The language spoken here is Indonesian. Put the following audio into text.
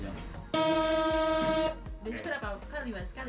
berarti berapa kali mas